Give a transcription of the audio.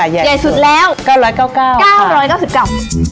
ใหญ่สุดค่ะใหญ่สุดแล้วเก้าร้อยเก้าเก้าค่ะเก้าร้อยเก้าสิบเก้า